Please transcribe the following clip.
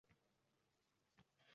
Kasb- hunar egallashga befarq bo‘ladi?